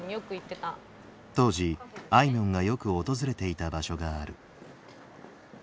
当時あいみょんがよく訪れていた場所がある。